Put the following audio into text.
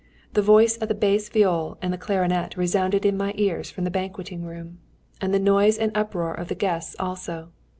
The voice of the bass viol and the clarionet resounded in my ears from the banqueting room, and the noise and uproar of the guests also.